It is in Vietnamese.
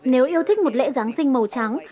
nếu yêu thích một lễ giáng sinh màu trắng